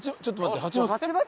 ちょっと待って。